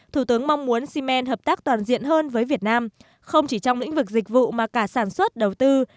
thủ tướng mong muốn cm hợp tác toàn diện hơn với việt nam không chỉ trong lĩnh vực dịch vụ mà cả sản xuất đầu tư